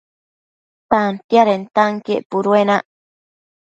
Tantiadentanquien puduenac